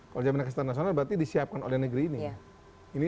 kalau jaminan kesehatan nasional berarti disiapkan oleh negeri ini ya